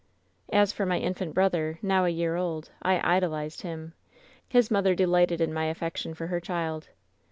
"As for my infant brother, now a year old, I idolized him. His mother delighted in my affection for her child.